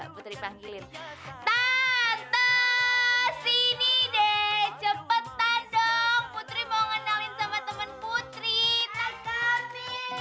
putri minta ditemani sembuhkan petunjuk putri